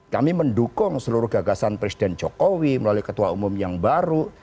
kami mendukung seluruh gagasan presiden jokowi melalui ketua umum yang baru